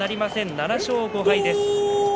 ７勝５敗です。